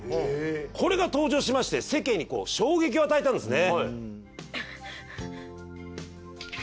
これが登場しまして世間に衝撃を与えたんですね。